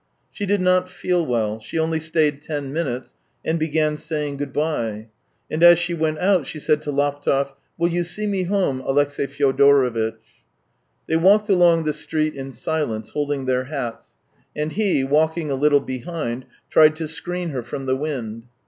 She did not feel well. She only stayed ten minutes, and began saying good bye. And as she went out she said to Laptev :" Will you see me home, Alexey Fyodorovitch ?" They walked along the street in silence, holding their hats, and he, walking a little behind, tried to screen her from the wind.